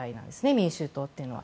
民衆党というのは。